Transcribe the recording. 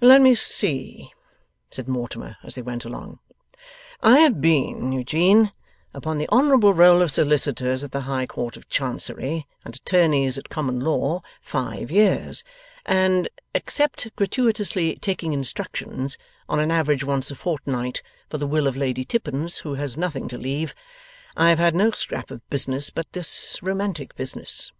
'Let me see,' said Mortimer, as they went along; 'I have been, Eugene, upon the honourable roll of solicitors of the High Court of Chancery, and attorneys at Common Law, five years; and except gratuitously taking instructions, on an average once a fortnight, for the will of Lady Tippins who has nothing to leave I have had no scrap of business but this romantic business.